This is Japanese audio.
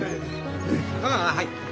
ああはい。